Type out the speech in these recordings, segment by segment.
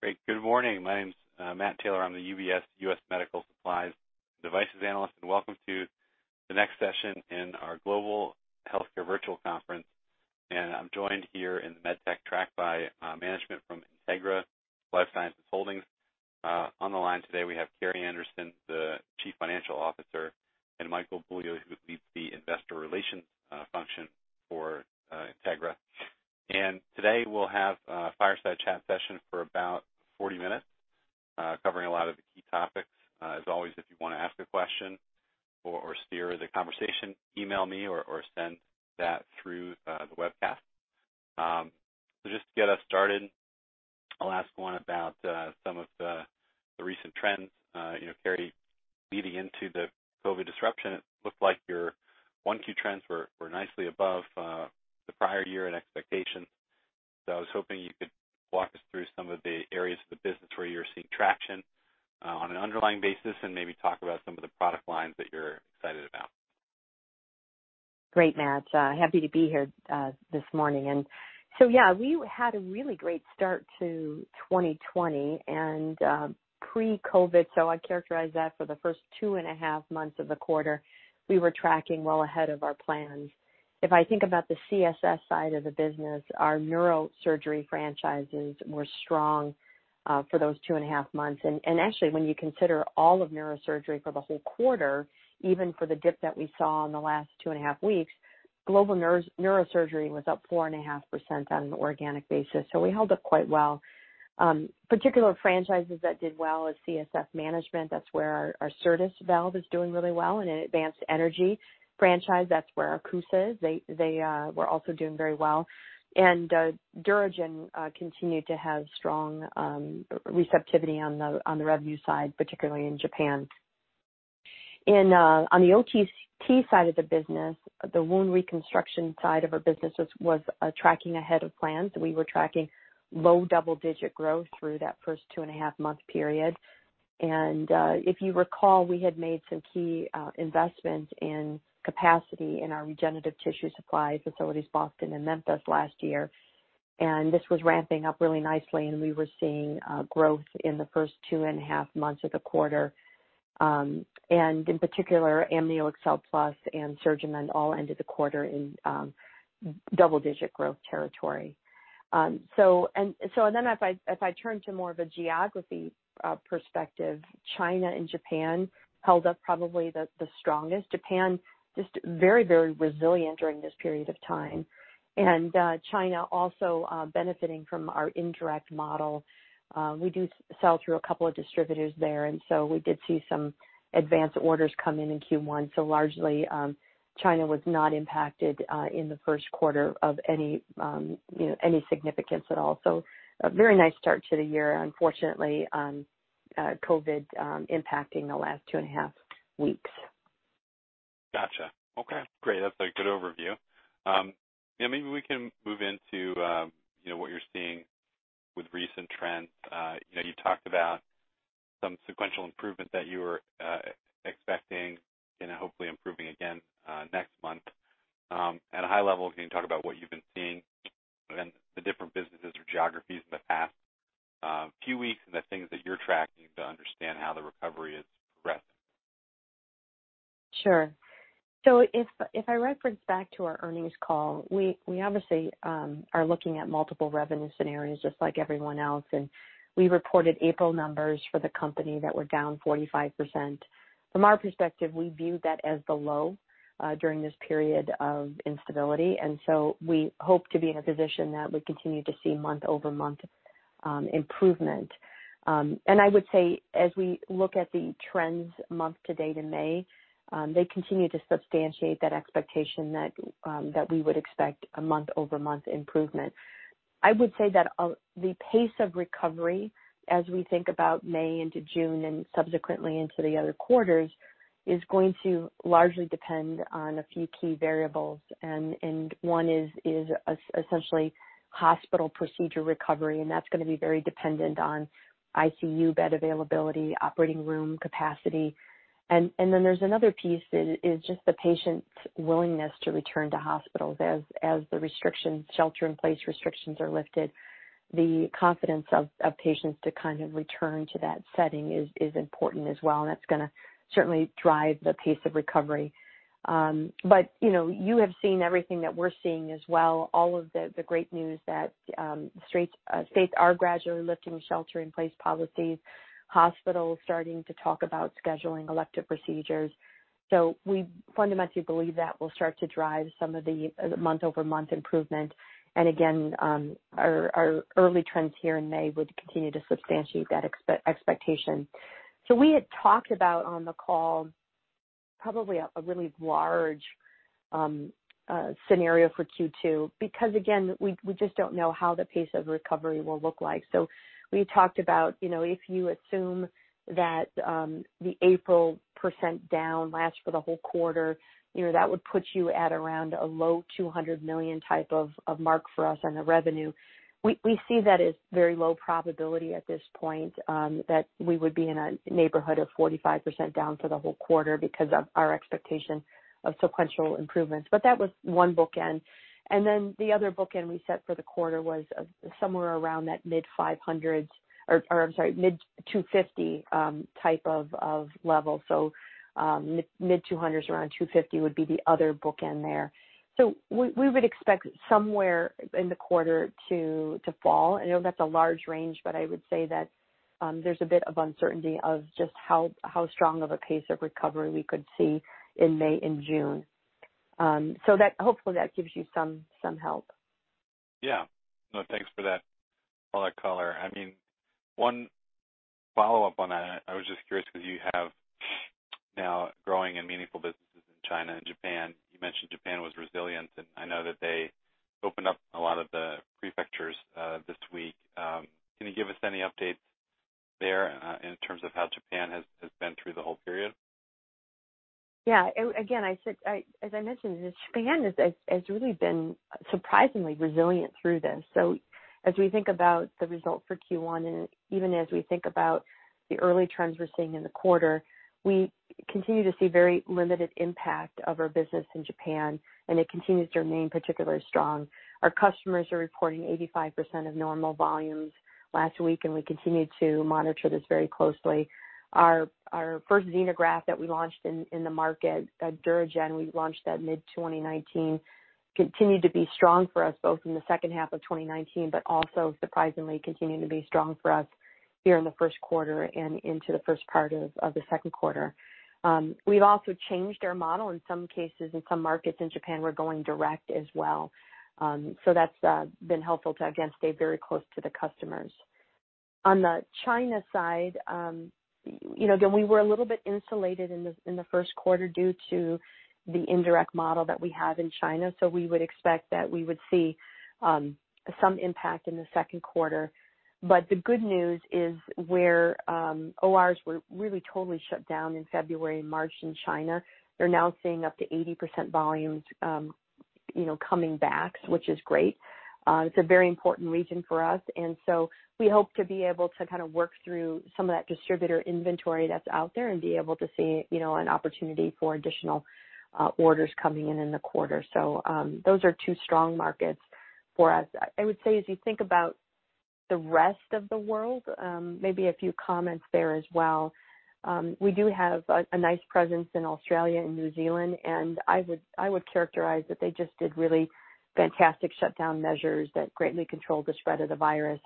Great. Good morning. My name's Matt Taylor. I'm the UBS US Medical Supplies & Devices Analyst and welcome to the next session in our Global Healthcare Virtual Conference, and I'm joined here in the MedTech track by management from Integra LifeSciences Holdings. On the line today, we have Carrie Anderson, the Chief Financial Officer, and Michael Beaulieu who leads the Investor Relations function for Integra, and today we'll have a fireside chat session for about 40 minutes, covering a lot of the key topics. As always, if you want to ask a question or steer the conversation, email me or send that through the webcast. So just to get us started, I'll ask one about some of the recent trends. Carrie, leading into the COVID disruption, it looked like your Q1 trends were nicely above the prior year and expectations. So I was hoping you could walk us through some of the areas of the business where you're seeing traction on an underlying basis and maybe talk about some of the product lines that you're excited about. Great, Matt. Happy to be here this morning. And so, yeah, we had a really great start to 2020. And pre-COVID, so I'd characterize that for the first two and a half months of the quarter, we were tracking well ahead of our plans. If I think about the CSS side of the business, our neurosurgery franchises were strong for those two and a half months. And actually, when you consider all of neurosurgery for the whole quarter, even for the dip that we saw in the last two and a half weeks, global neurosurgery was up 4.5% on an organic basis. So we held up quite well. Particular franchises that did well are CSF Management. That's where our Certas valve is doing really well. And an Advanced Energy franchise, that's where our CUSA is. They were also doing very well. DuraGen continued to have strong receptivity on the revenue side, particularly in Japan. On the OTT side of the business, the wound reconstruction side of our business was tracking ahead of plans. We were tracking low double-digit growth through that first two and a half month period. If you recall, we had made some key investments in capacity in our regenerative tissue supply facilities, Boston and Memphis, last year. This was ramping up really nicely, and we were seeing growth in the first two and a half months of the quarter. In particular, AmnioExcel Plus and SurgiMend all ended the quarter in double-digit growth territory. So then if I turn to more of a geography perspective, China and Japan held up probably the strongest. Japan just very, very resilient during this period of time. China also benefiting from our indirect model. We do sell through a couple of distributors there, and so we did see some advanced orders come in in Q1. So largely, China was not impacted in the first quarter of any significance at all. So a very nice start to the year, unfortunately, COVID impacting the last two and a half weeks. Gotcha. Okay. Great. That's a good overview. Yeah. Maybe we can move into what you're seeing with recent trends. You talked about some sequential improvement that you were expecting and hopefully improving again next month. At a high level, can you talk about what you've been seeing in the different businesses or geographies in the past few weeks and the things that you're tracking to understand how the recovery is progressing? Sure. So if I reference back to our earnings call, we obviously are looking at multiple revenue scenarios just like everyone else. And we reported April numbers for the company that were down 45%. From our perspective, we viewed that as the low during this period of instability. And so we hope to be in a position that we continue to see month-over-month improvement. And I would say, as we look at the trends month-to-date in May, they continue to substantiate that expectation that we would expect a month-over-month improvement. I would say that the pace of recovery, as we think about May into June and subsequently into the other quarters, is going to largely depend on a few key variables. And one is essentially hospital procedure recovery. And that's going to be very dependent on ICU bed availability, operating room capacity. And then there's another piece that is just the patient's willingness to return to hospitals. As the restrictions, shelter-in-place restrictions, are lifted, the confidence of patients to kind of return to that setting is important as well. And that's going to certainly drive the pace of recovery. But you have seen everything that we're seeing as well. All of the great news that states are gradually lifting shelter-in-place policies, hospitals starting to talk about scheduling elective procedures. So we fundamentally believe that will start to drive some of the month-over-month improvement. And again, our early trends here in May would continue to substantiate that expectation. So we had talked about on the call probably a really large scenario for Q2 because, again, we just don't know how the pace of recovery will look like. So we talked about if you assume that the April % down lasts for the whole quarter, that would put you at around a low $200 million type of mark for us on the revenue. We see that as very low probability at this point that we would be in a neighborhood of 45% down for the whole quarter because of our expectation of sequential improvements. But that was one bookend. And then the other bookend we set for the quarter was somewhere around that mid-$500s or, I'm sorry, mid-$250 type of level. So mid-200s, around 250 would be the other bookend there. So we would expect somewhere in the quarter to fall. I know that's a large range, but I would say that there's a bit of uncertainty of just how strong of a pace of recovery we could see in May and June. So hopefully that gives you some help. Yeah. No, thanks for that color. I mean, one follow-up on that. I was just curious because you have now growing and meaningful businesses in China and Japan. You mentioned Japan was resilient. And I know that they opened up a lot of the prefectures this week. Can you give us any updates there in terms of how Japan has been through the whole period? Yeah. Again, as I mentioned, Japan has really been surprisingly resilient through this. So as we think about the result for Q1 and even as we think about the early trends we're seeing in the quarter, we continue to see very limited impact of our business in Japan. And it continues to remain particularly strong. Our customers are reporting 85% of normal volumes last week. And we continue to monitor this very closely. Our first xenograft that we launched in the market, DuraGen, we launched that mid-2019, continued to be strong for us both in the second half of 2019, but also surprisingly continued to be strong for us here in the first quarter and into the first part of the second quarter. We've also changed our model. In some cases, in some markets in Japan, we're going direct as well. So that's been helpful to, again, stay very close to the customers. On the China side, again, we were a little bit insulated in the first quarter due to the indirect model that we have in China. We would expect that we would see some impact in the second quarter. But the good news is where ORs were really totally shut down in February and March in China, they're now seeing up to 80% volumes coming back, which is great. It's a very important region for us. We hope to be able to kind of work through some of that distributor inventory that's out there and be able to see an opportunity for additional orders coming in in the quarter. Those are two strong markets for us. I would say, as you think about the rest of the world, maybe a few comments there as well. We do have a nice presence in Australia and New Zealand, and I would characterize that they just did really fantastic shutdown measures that greatly controlled the spread of the virus.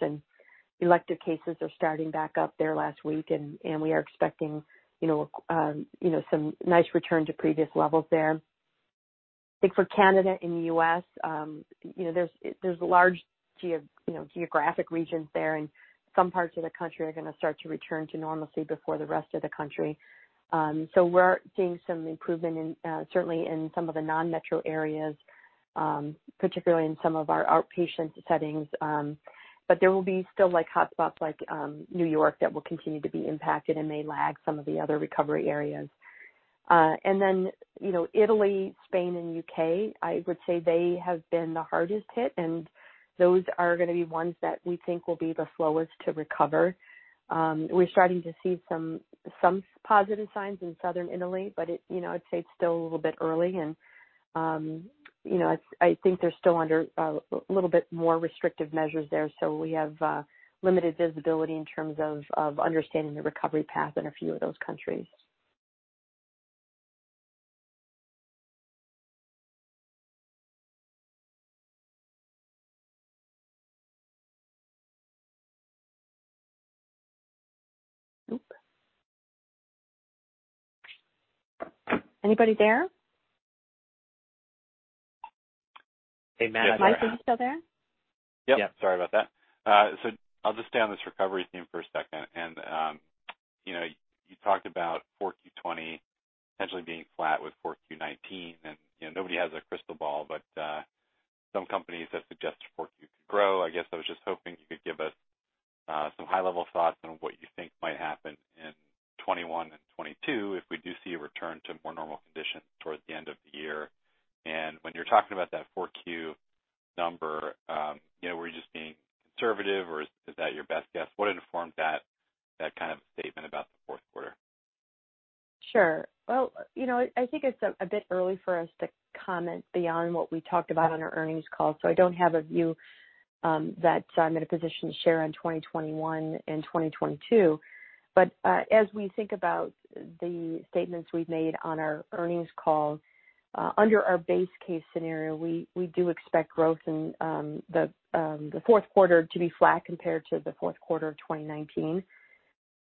Elective cases are starting back up there last week, and we are expecting some nice return to previous levels there. I think for Canada and the U.S., there's a large geographic region there, and some parts of the country are going to start to return to normalcy before the rest of the country, so we're seeing some improvement, certainly in some of the non-metro areas, particularly in some of our outpatient settings, but there will be still hotspots like New York that will continue to be impacted and may lag some of the other recovery areas, and then Italy, Spain, and U.K., I would say they have been the hardest hit. And those are going to be ones that we think will be the slowest to recover. We're starting to see some positive signs in southern Italy, but I'd say it's still a little bit early. And I think they're still under a little bit more restrictive measures there. So we have limited visibility in terms of understanding the recovery path in a few of those countries. Anybody there? Hey, Matt. Is Mike still there? Yep. Sorry about that. So I'll just stay on this recovery theme for a second. And you talked about 4Q20 potentially being flat with 4Q19. And nobody has a crystal ball, but some companies have suggested 4Q could grow. I guess I was just hoping you could give us some high-level thoughts on what you think might happen in 2021 and 2022 if we do see a return to more normal conditions towards the end of the year. And when you're talking about that 4Q number, were you just being conservative, or is that your best guess? What informed that kind of statement about the fourth quarter? Sure. Well, I think it's a bit early for us to comment beyond what we talked about on our earnings call. So I don't have a view that I'm in a position to share on 2021 and 2022. But as we think about the statements we've made on our earnings call, under our base case scenario, we do expect growth in the fourth quarter to be flat compared to the fourth quarter of 2019.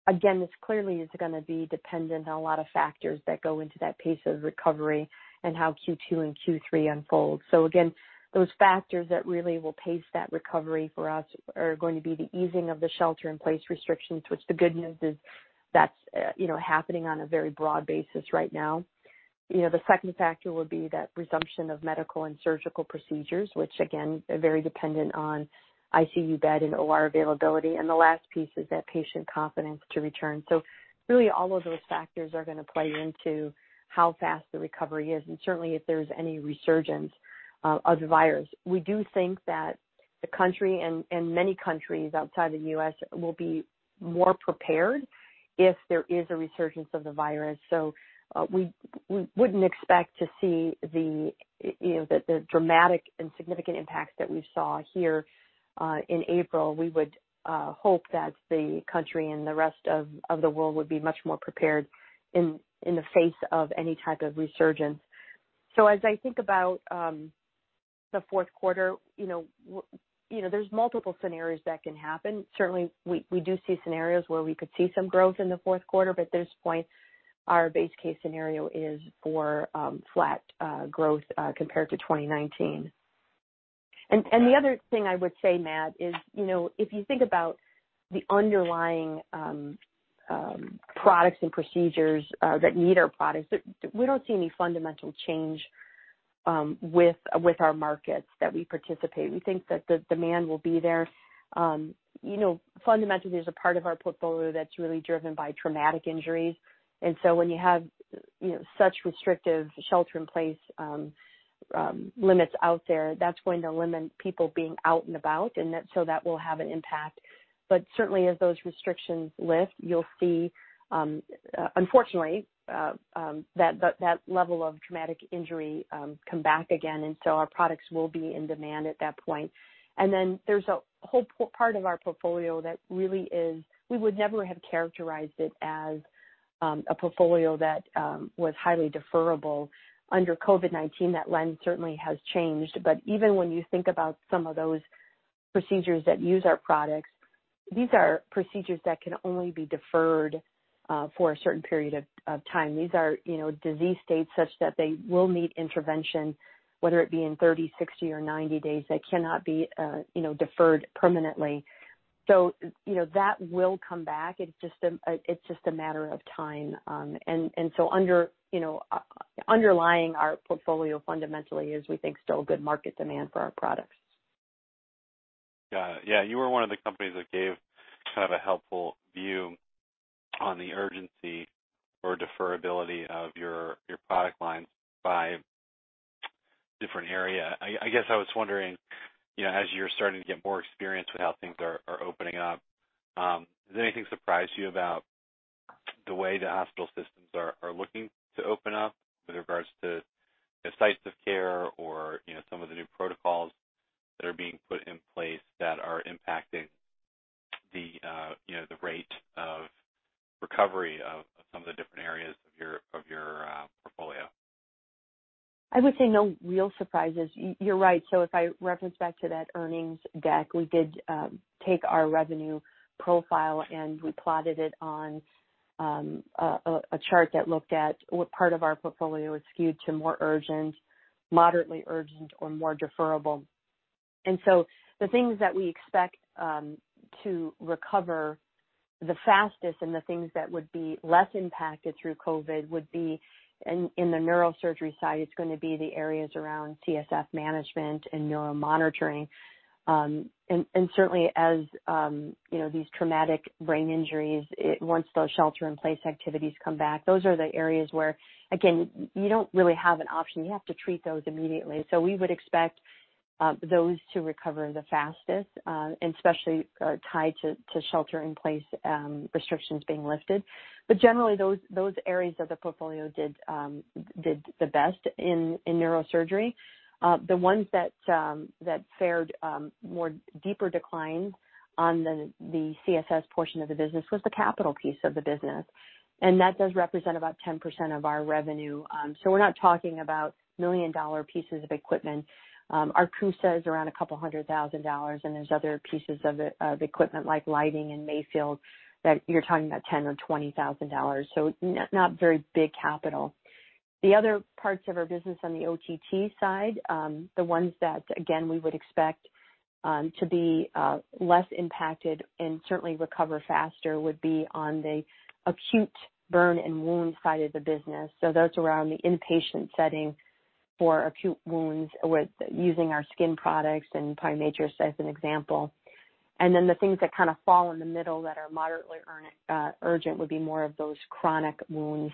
Again, this clearly is going to be dependent on a lot of factors that go into that pace of recovery and how Q2 and Q3 unfold. So again, those factors that really will pace that recovery for us are going to be the easing of the shelter-in-place restrictions, which the good news is that's happening on a very broad basis right now. The second factor would be that resumption of medical and surgical procedures, which again, are very dependent on ICU bed and OR availability, and the last piece is that patient confidence to return, so really, all of those factors are going to play into how fast the recovery is, and certainly, if there's any resurgence of the virus, we do think that the country and many countries outside of the U.S. will be more prepared if there is a resurgence of the virus, so we wouldn't expect to see the dramatic and significant impacts that we saw here in April. We would hope that the country and the rest of the world would be much more prepared in the face of any type of resurgence, so as I think about the fourth quarter, there's multiple scenarios that can happen. Certainly, we do see scenarios where we could see some growth in the fourth quarter, but at this point, our base case scenario is for flat growth compared to 2019, and the other thing I would say, Matt, is if you think about the underlying products and procedures that need our products, we don't see any fundamental change with our markets that we participate. We think that the demand will be there. Fundamentally, there's a part of our portfolio that's really driven by traumatic injuries, and so when you have such restrictive shelter-in-place limits out there, that's going to limit people being out and about, and so that will have an impact, but certainly, as those restrictions lift, you'll see, unfortunately, that level of traumatic injury come back again, and so our products will be in demand at that point. And then there's a whole part of our portfolio that really is we would never have characterized it as a portfolio that was highly deferable under COVID-19. That lens certainly has changed. But even when you think about some of those procedures that use our products, these are procedures that can only be deferred for a certain period of time. These are disease states such that they will need intervention, whether it be in 30, 60, or 90 days. They cannot be deferred permanently. So that will come back. It's just a matter of time. And so underlying our portfolio fundamentally is we think still good market demand for our products. Got it. Yeah. You were one of the companies that gave kind of a helpful view on the urgency or deferability of your product lines by different area. I guess I was wondering, as you're starting to get more experience with how things are opening up, has anything surprised you about the way the hospital systems are looking to open up with regards to sites of care or some of the new protocols that are being put in place that are impacting the rate of recovery of some of the different areas of your portfolio? I would say no real surprises. You're right, so if I reference back to that earnings deck, we did take our revenue profile, and we plotted it on a chart that looked at what part of our portfolio is skewed to more urgent, moderately urgent, or more deferable, and so the things that we expect to recover the fastest and the things that would be less impacted through COVID would be in the neurosurgery side. It's going to be the areas around CSF management and neuromonitoring, and certainly, as these traumatic brain injuries, once those shelter-in-place activities come back, those are the areas where, again, you don't really have an option. You have to treat those immediately, so we would expect those to recover the fastest, especially tied to shelter-in-place restrictions being lifted, but generally, those areas of the portfolio did the best in neurosurgery. The ones that fared more deeper declines on the CSF portion of the business was the capital piece of the business. And that does represent about 10% of our revenue. So we're not talking about million-dollar pieces of equipment. Our CUSA is around $200,000. And there's other pieces of equipment like lighting and Mayfield that you're talking about $10,000 or $20,000. So not very big capital. The other parts of our business on the OTT side, the ones that, again, we would expect to be less impacted and certainly recover faster would be on the acute burn and wound side of the business. So that's around the inpatient setting for acute wounds using our skin products and PriMatrix as an example. And then the things that kind of fall in the middle that are moderately urgent would be more of those chronic wounds.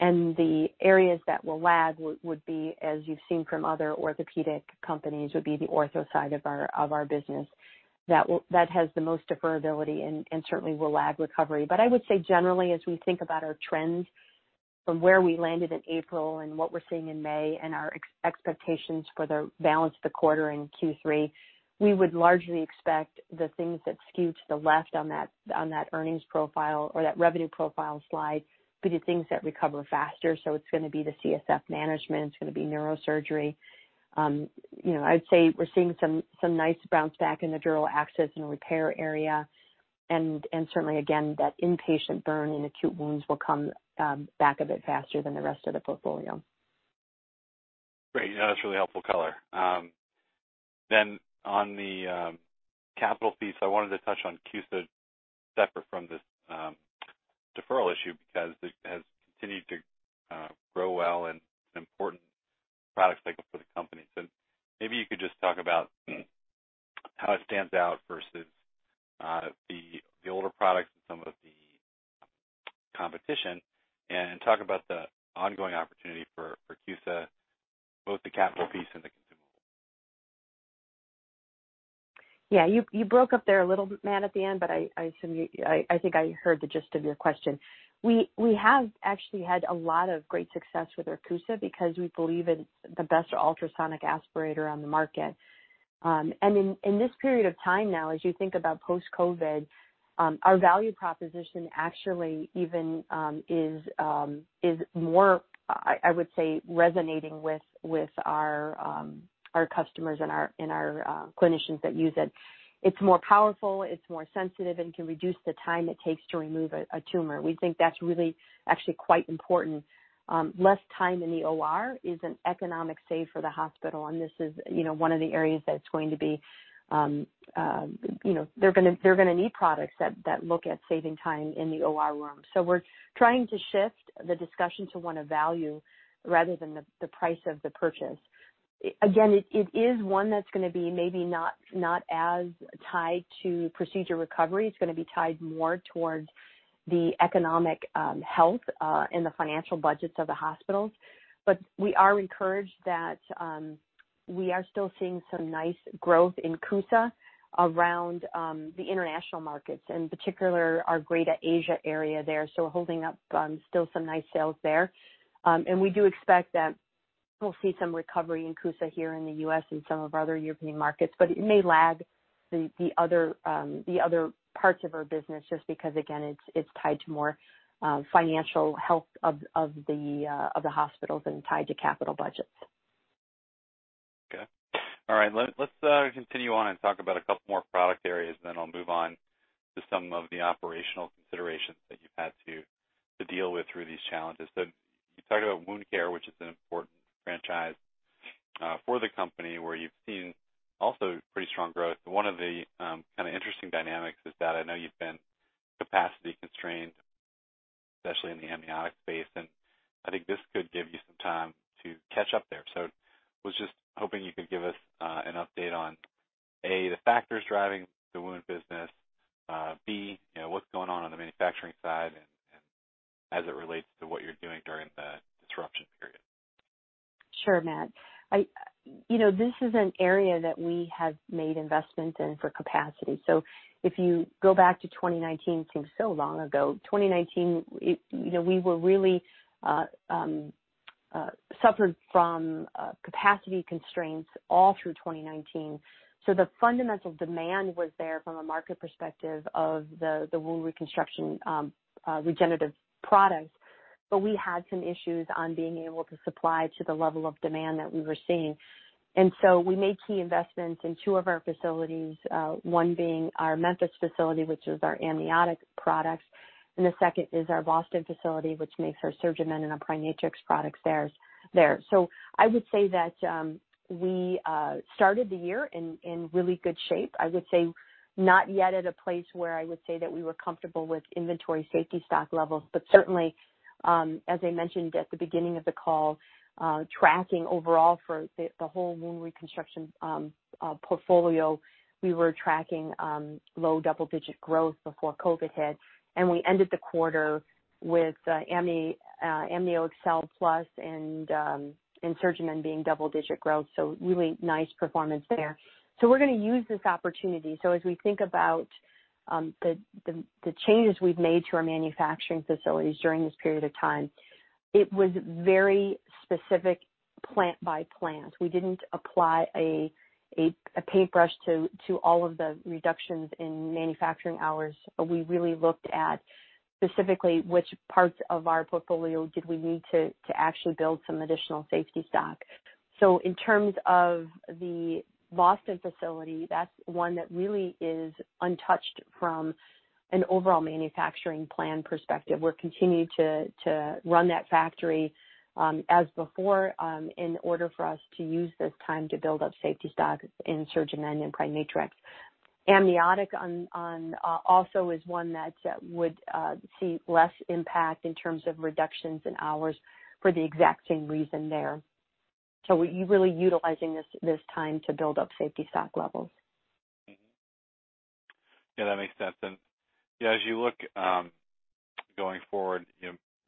The areas that will lag would be, as you've seen from other orthopedic companies, the ortho side of our business that has the most deferability and certainly will lag recovery. I would say, generally, as we think about our trends from where we landed in April and what we're seeing in May and our expectations for the balance of the quarter in Q3, we would largely expect the things that skew to the left on that earnings profile or that revenue profile slide to be the things that recover faster. It's going to be the CSF management. It's going to be neurosurgery. I'd say we're seeing some nice bounce back in the dural access and repair area. Certainly, again, that inpatient burn and acute wounds will come back a bit faster than the rest of the portfolio. Great. Yeah. That's really helpful color. Then on the capital piece, I wanted to touch on CUSA separate from this deferral issue because it has continued to grow well and it's an important product cycle for the company. So maybe you could just talk about how it stands out versus the older products and some of the competition and talk about the ongoing opportunity for CUSA, both the capital piece and the consumable. Yeah. You broke up there a little, Matt, at the end, but I think I heard the gist of your question. We have actually had a lot of great success with our CUSA because we believe in the best ultrasonic aspirator on the market. And in this period of time now, as you think about post-COVID, our value proposition actually even is more, I would say, resonating with our customers and our clinicians that use it. It's more powerful. It's more sensitive and can reduce the time it takes to remove a tumor. We think that's really actually quite important. Less time in the OR is an economic save for the hospital. And this is one of the areas that it's going to be. They're going to need products that look at saving time in the OR room. So we're trying to shift the discussion to what we value rather than the price of the purchase. Again, it is one that's going to be maybe not as tied to procedure recovery. It's going to be tied more towards the economic health and the financial budgets of the hospitals. But we are encouraged that we are still seeing some nice growth in CUSA around the international markets, in particular our greater Asia area there. So holding up still some nice sales there. And we do expect that we'll see some recovery in CUSA here in the U.S. and some of our other European markets. But it may lag the other parts of our business just because, again, it's tied to more financial health of the hospitals and tied to capital budgets. Okay. All right. Let's continue on and talk about a couple more product areas, and then I'll move on to some of the operational considerations that you've had to deal with through these challenges. So you talked about wound care, which is an important franchise for the company where you've seen also pretty strong growth. One of the kind of interesting dynamics is that I know you've been capacity constrained, especially in the amniotic space. And I think this could give you some time to catch up there. So I was just hoping you could give us an update on, A, the factors driving the wound business, B, what's going on on the manufacturing side and as it relates to what you're doing during the disruption period. Sure, Matt. This is an area that we have made investment in for capacity, so if you go back to 2019, it seems so long ago. 2019, we really suffered from capacity constraints all through 2019, so the fundamental demand was there from a market perspective of the wound reconstruction regenerative products, but we had some issues on being able to supply to the level of demand that we were seeing, and so we made key investments in two of our facilities, one being our Memphis facility, which is our amniotic products, and the second is our Boston facility, which makes our SurgiMend and our PriMatrix products there, so I would say that we started the year in really good shape. I would say not yet at a place where I would say that we were comfortable with inventory safety stock levels. But certainly, as I mentioned at the beginning of the call, tracking overall for the whole wound reconstruction portfolio, we were tracking low double-digit growth before COVID-19 hit. And we ended the quarter with AmnioExcel Plus and SurgiMend being double-digit growth. So really nice performance there. So we're going to use this opportunity. So as we think about the changes we've made to our manufacturing facilities during this period of time, it was very specific plant by plant. We didn't apply a paintbrush to all of the reductions in manufacturing hours. We really looked at specifically which parts of our portfolio did we need to actually build some additional safety stock. So in terms of the Boston facility, that's one that really is untouched from an overall manufacturing plan perspective. We're continuing to run that factory as before in order for us to use this time to build up safety stock in SurgiMend and PriMatrix. Amniotic also is one that would see less impact in terms of reductions in hours for the exact same reason there. So we're really utilizing this time to build up safety stock levels. Yeah. That makes sense. And yeah, as you look going forward,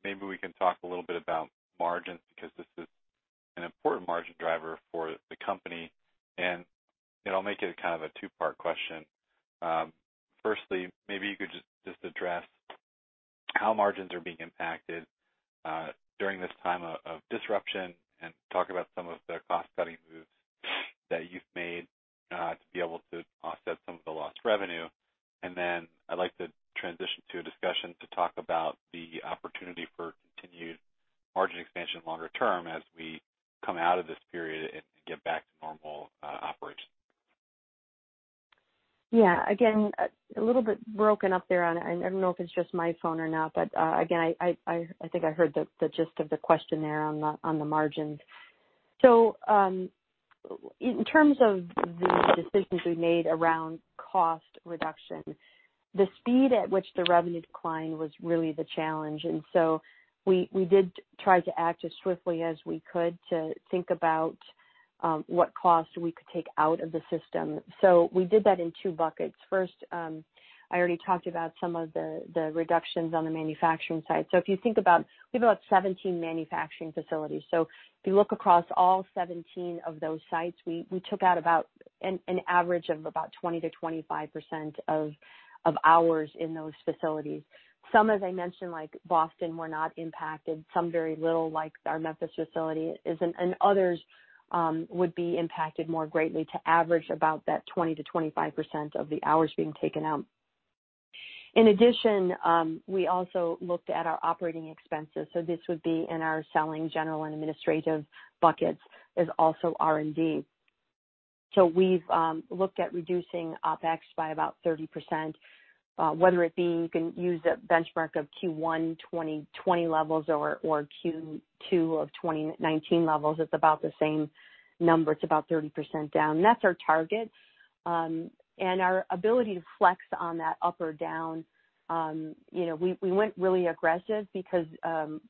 maybe we can talk a little bit about margins because this is an important margin driver for the company. And I'll make it kind of a two-part question. Firstly, maybe you could just address how margins are being impacted during this time of disruption and talk about some of the cost-cutting moves that you've made to be able to offset some of the lost revenue. And then I'd like to transition to a discussion to talk about the opportunity for continued margin expansion longer term as we come out of this period and get back to normal operations. Yeah. Again, a little bit broken up there on it. I don't know if it's just my phone or not. But again, I think I heard the gist of the question there on the margins. So in terms of the decisions we made around cost reduction, the speed at which the revenue decline was really the challenge. And so we did try to act as swiftly as we could to think about what cost we could take out of the system. So we did that in two buckets. First, I already talked about some of the reductions on the manufacturing side. So if you think about we have about 17 manufacturing facilities. So if you look across all 17 of those sites, we took out about an average of about 20%-25% of hours in those facilities. Some, as I mentioned, like Boston, were not impacted. Some very little, like our Memphis facility, and others would be impacted more greatly, to average about that 20%-25% of the hours being taken out. In addition, we also looked at our operating expenses. So this would be in our selling general and administrative buckets, is also R&D. So we've looked at reducing OpEx by about 30%, whether it be you can use a benchmark of Q1 2020 levels or Q2 of 2019 levels. It's about the same number. It's about 30% down, and that's our target and our ability to flex on that up or down. We went really aggressive because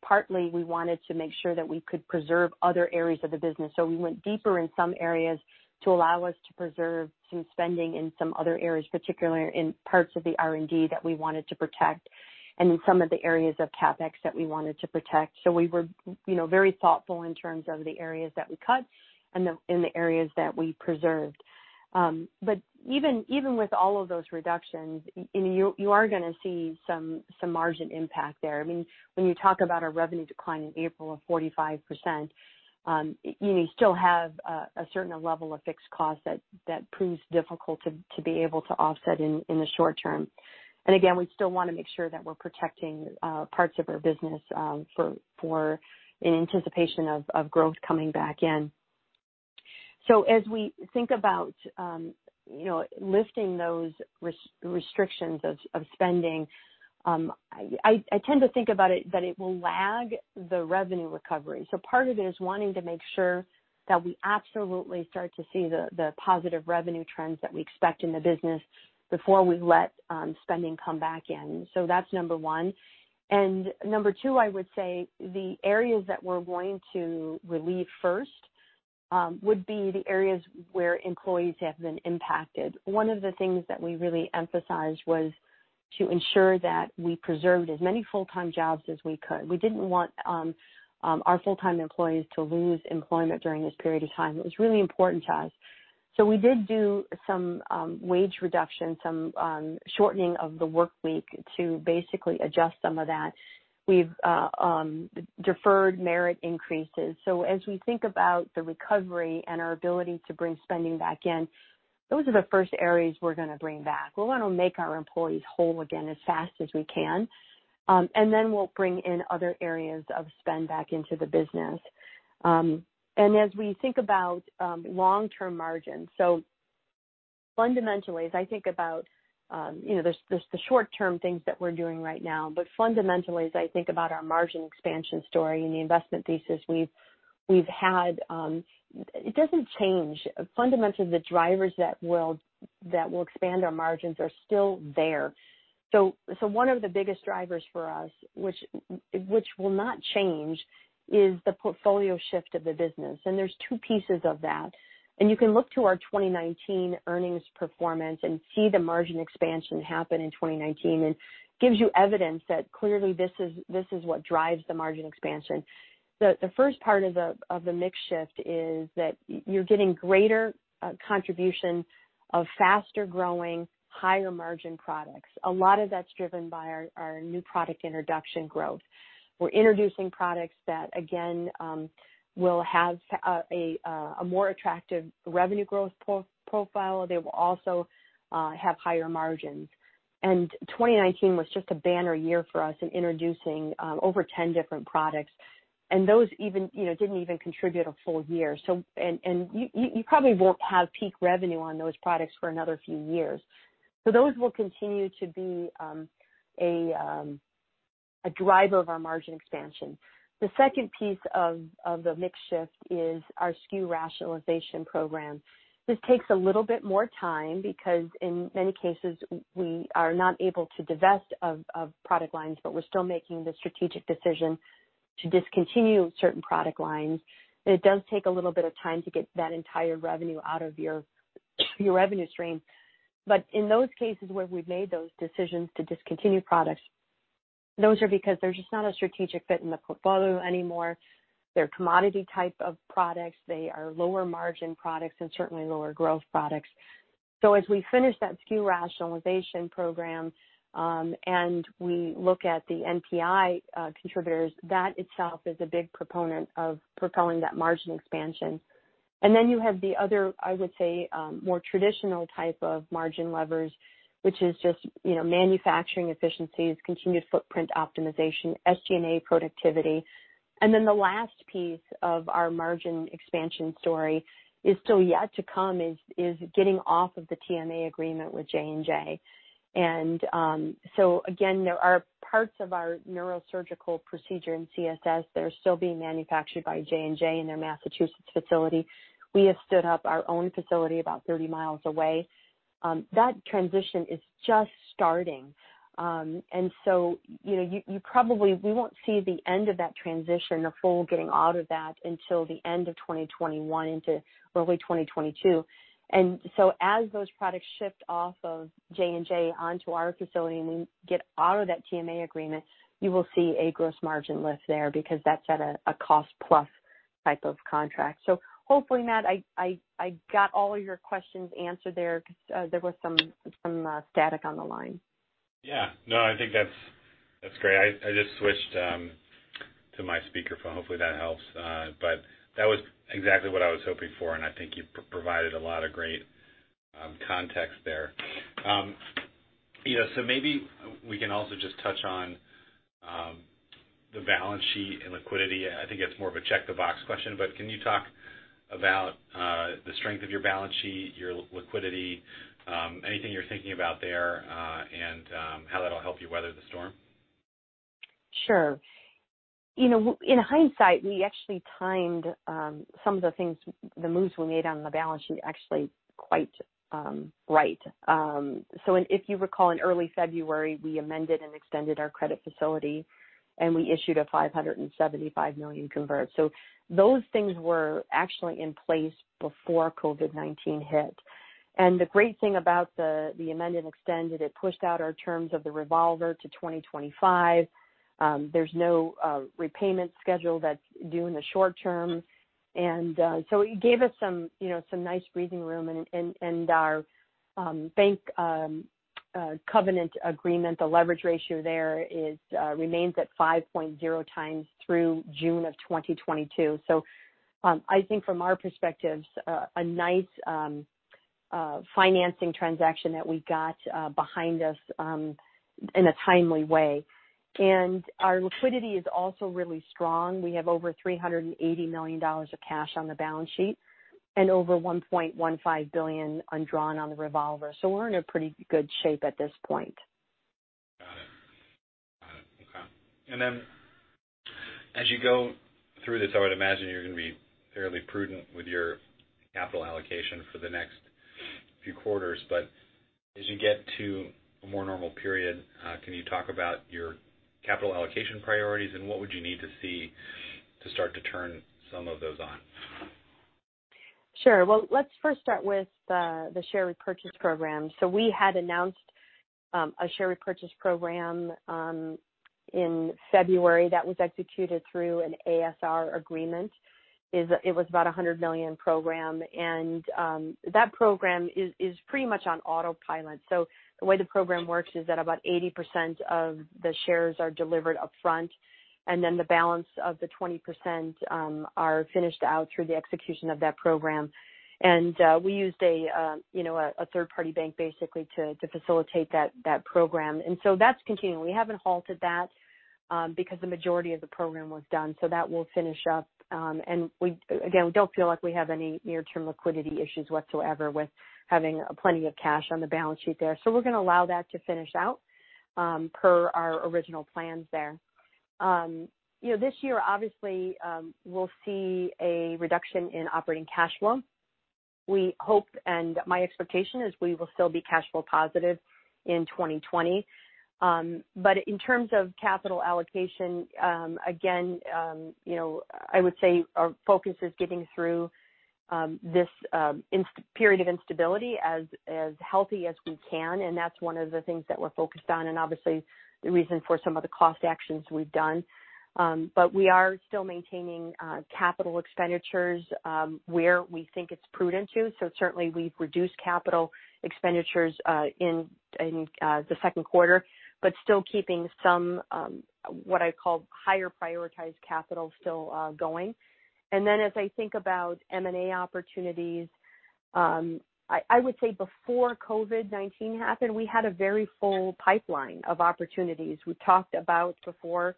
partly we wanted to make sure that we could preserve other areas of the business. So we went deeper in some areas to allow us to preserve some spending in some other areas, particularly in parts of the R&D that we wanted to protect and in some of the areas of CapEx that we wanted to protect. So we were very thoughtful in terms of the areas that we cut and the areas that we preserved. But even with all of those reductions, you are going to see some margin impact there. I mean, when you talk about our revenue decline in April of 45%, you still have a certain level of fixed cost that proves difficult to be able to offset in the short term. And again, we still want to make sure that we're protecting parts of our business in anticipation of growth coming back in. So as we think about lifting those restrictions of spending, I tend to think about it that it will lag the revenue recovery. So part of it is wanting to make sure that we absolutely start to see the positive revenue trends that we expect in the business before we let spending come back in. So that's number one. And number two, I would say the areas that we're going to relieve first would be the areas where employees have been impacted. One of the things that we really emphasized was to ensure that we preserved as many full-time jobs as we could. We didn't want our full-time employees to lose employment during this period of time. It was really important to us. So we did do some wage reduction, some shortening of the work week to basically adjust some of that. We've deferred merit increases. So as we think about the recovery and our ability to bring spending back in, those are the first areas we're going to bring back. We want to make our employees whole again as fast as we can. And then we'll bring in other areas of spend back into the business. And as we think about long-term margins, so fundamentally, as I think about the short-term things that we're doing right now, but fundamentally, as I think about our margin expansion story and the investment thesis we've had, it doesn't change. Fundamentally, the drivers that will expand our margins are still there. So one of the biggest drivers for us, which will not change, is the portfolio shift of the business. And there's two pieces of that. And you can look to our 2019 earnings performance and see the margin expansion happen in 2019. And it gives you evidence that clearly this is what drives the margin expansion. The first part of the mix shift is that you're getting greater contribution of faster-growing, higher-margin products. A lot of that's driven by our new product introduction growth. We're introducing products that, again, will have a more attractive revenue growth profile. They will also have higher margins. And 2019 was just a banner year for us in introducing over 10 different products. And those didn't even contribute a full year. And you probably won't have peak revenue on those products for another few years. So those will continue to be a driver of our margin expansion. The second piece of the mix shift is our SKU rationalization program. This takes a little bit more time because in many cases, we are not able to divest of product lines, but we're still making the strategic decision to discontinue certain product lines. It does take a little bit of time to get that entire revenue out of your revenue stream, but in those cases where we've made those decisions to discontinue products, those are because they're just not a strategic fit in the portfolio anymore. They're commodity type of products. They are lower-margin products and certainly lower-growth products. So as we finish that SKU rationalization program and we look at the NPI contributors, that itself is a big proponent of propelling that margin expansion, and then you have the other, I would say, more traditional type of margin levers, which is just manufacturing efficiencies, continued footprint optimization, SG&A productivity. And then the last piece of our margin expansion story is still yet to come is getting off of the TMA agreement with J&J. And so again, there are parts of our neurosurgical procedure in CSS that are still being manufactured by J&J in their Massachusetts facility. We have stood up our own facility about 30 miles away. That transition is just starting. And so we won't see the end of that transition, the full getting out of that, until the end of 2021 into early 2022. And so as those products shift off of J&J onto our facility and we get out of that TMA agreement, you will see a gross margin lift there because that's at a cost-plus type of contract. So hopefully, Matt, I got all of your questions answered there because there was some static on the line. Yeah. No, I think that's great. I just switched to my speakerphone. Hopefully, that helps, but that was exactly what I was hoping for, and I think you provided a lot of great context there, so maybe we can also just touch on the balance sheet and liquidity. I think it's more of a check-the-box question, but can you talk about the strength of your balance sheet, your liquidity, anything you're thinking about there, and how that'll help you weather the storm? Sure. In hindsight, we actually timed some of the things, the moves we made on the balance sheet, actually quite right. So if you recall, in early February, we amended and extended our credit facility. And we issued a $575 million convert. So those things were actually in place before COVID-19 hit. And the great thing about the amended and extended, it pushed out our terms of the revolver to 2025. There's no repayment schedule that's due in the short term. And so it gave us some nice breathing room. And our bank covenant agreement, the leverage ratio there remains at 5.0 times through June of 2022. So I think from our perspective, a nice financing transaction that we got behind us in a timely way. And our liquidity is also really strong. We have over $380 million of cash on the balance sheet and over $1.15 billion undrawn on the revolver. So we're in a pretty good shape at this point. Got it. Got it. Okay. And then as you go through this, I would imagine you're going to be fairly prudent with your capital allocation for the next few quarters. But as you get to a more normal period, can you talk about your capital allocation priorities? And what would you need to see to start to turn some of those on? Sure. Well, let's first start with the share repurchase program. So we had announced a share repurchase program in February that was executed through an ASR agreement. It was about a $100 million program. And that program is pretty much on autopilot. So the way the program works is that about 80% of the shares are delivered upfront. And then the balance of the 20% are finished out through the execution of that program. And we used a third-party bank basically to facilitate that program. And so that's continuing. We haven't halted that because the majority of the program was done. So that will finish up. And again, we don't feel like we have any near-term liquidity issues whatsoever with having plenty of cash on the balance sheet there. So we're going to allow that to finish out per our original plans there. This year, obviously, we'll see a reduction in operating cash flow. We hope and my expectation is we will still be cash flow positive in 2020. But in terms of capital allocation, again, I would say our focus is getting through this period of instability as healthy as we can. And that's one of the things that we're focused on and obviously the reason for some of the cost actions we've done. But we are still maintaining capital expenditures where we think it's prudent to. So certainly, we've reduced capital expenditures in the second quarter, but still keeping some what I call higher-prioritized capital still going. And then as I think about M&A opportunities, I would say before COVID-19 happened, we had a very full pipeline of opportunities. We've talked about before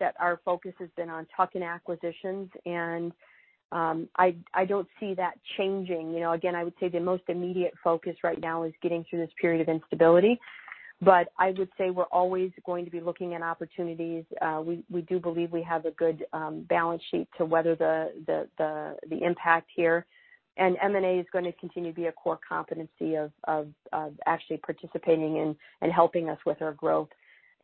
that our focus has been on tuck-in acquisitions. And I don't see that changing. Again, I would say the most immediate focus right now is getting through this period of instability. But I would say we're always going to be looking at opportunities. We do believe we have a good balance sheet to weather the impact here. And M&A is going to continue to be a core competency of actually participating in and helping us with our growth.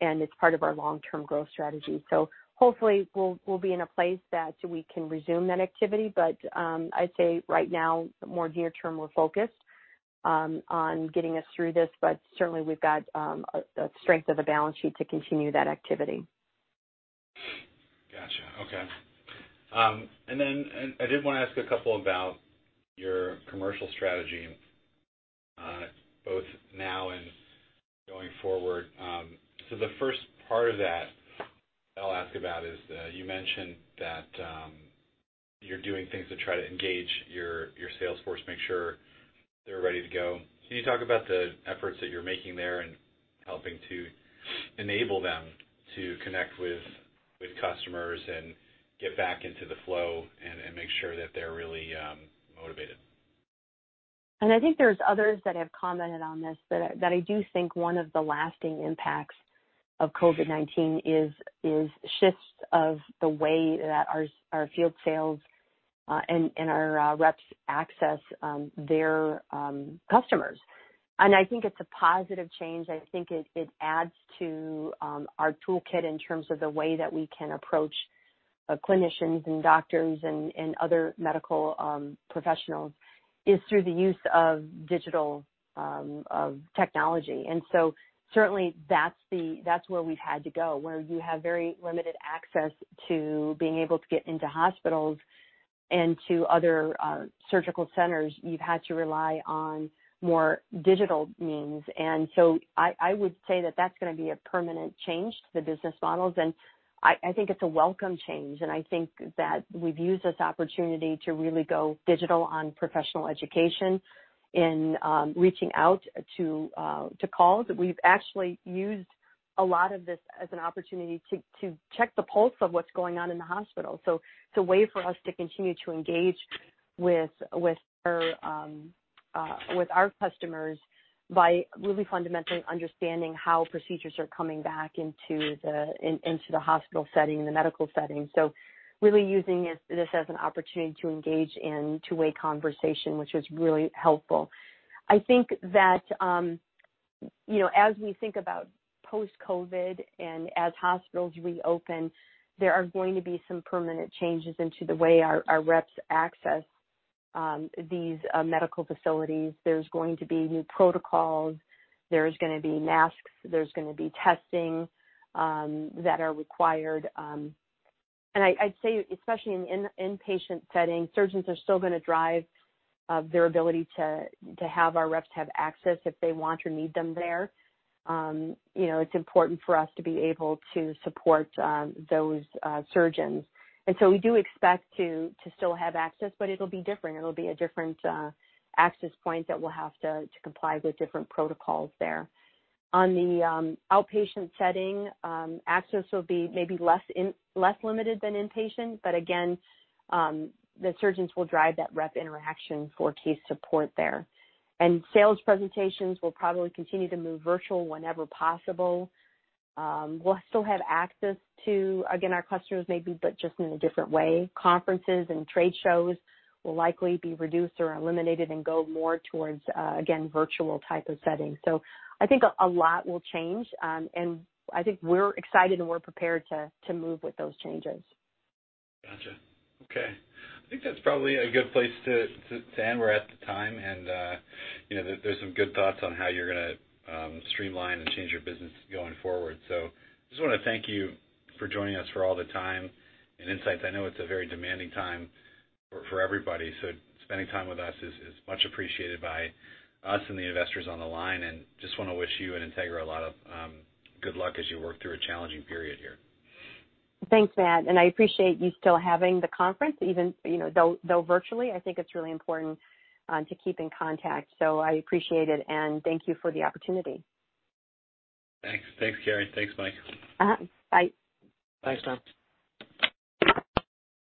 And it's part of our long-term growth strategy. So hopefully, we'll be in a place that we can resume that activity. But I'd say right now, more near-term, we're focused on getting us through this. But certainly, we've got the strength of the balance sheet to continue that activity. Gotcha. Okay. And then I did want to ask a couple about your commercial strategy, both now and going forward. So the first part of that I'll ask about is you mentioned that you're doing things to try to engage your sales force, make sure they're ready to go. Can you talk about the efforts that you're making there and helping to enable them to connect with customers and get back into the flow and make sure that they're really motivated? I think there's others that have commented on this that I do think one of the lasting impacts of COVID-19 is shifts of the way that our field sales and our reps access their customers. I think it's a positive change. I think it adds to our toolkit in terms of the way that we can approach clinicians and doctors and other medical professionals is through the use of digital technology. So certainly, that's where we've had to go, where you have very limited access to being able to get into hospitals and to other surgical centers. You've had to rely on more digital means. So I would say that that's going to be a permanent change to the business models. I think it's a welcome change. I think that we've used this opportunity to really go digital on professional education in reaching out to calls. We've actually used a lot of this as an opportunity to check the pulse of what's going on in the hospital. So it's a way for us to continue to engage with our customers by really fundamentally understanding how procedures are coming back into the hospital setting and the medical setting. So really using this as an opportunity to engage in two-way conversation, which is really helpful. I think that as we think about post-COVID and as hospitals reopen, there are going to be some permanent changes into the way our reps access these medical facilities. There's going to be new protocols. There's going to be masks. There's going to be testing that are required. I'd say, especially in inpatient settings, surgeons are still going to drive their ability to have our reps have access if they want or need them there. It's important for us to be able to support those surgeons. And so we do expect to still have access, but it'll be different. It'll be a different access point that we'll have to comply with different protocols there. On the outpatient setting, access will be maybe less limited than inpatient. But again, the surgeons will drive that rep interaction for case support there. And sales presentations will probably continue to move virtual whenever possible. We'll still have access to, again, our customers maybe, but just in a different way. Conferences and trade shows will likely be reduced or eliminated and go more towards, again, virtual type of settings. So I think a lot will change. I think we're excited and we're prepared to move with those changes. Gotcha. Okay. I think that's probably a good place to end. We're at the time. And there's some good thoughts on how you're going to streamline and change your business going forward. So I just want to thank you for joining us for all the time and insights. I know it's a very demanding time for everybody. So spending time with us is much appreciated by us and the investors on the line. And just want to wish you and Integra a lot of good luck as you work through a challenging period here. Thanks, Matt. And I appreciate you still having the conference, even though virtually. I think it's really important to keep in contact. So I appreciate it. And thank you for the opportunity. Thanks. Thanks, Carrie. Thanks, Mike. Bye. Thanks, Matt.